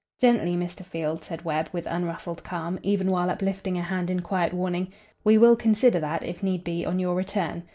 "Gently, Mr. Field," said Webb, with unruffled calm, even while uplifting a hand in quiet warning. "We will consider that, if need be, on your return.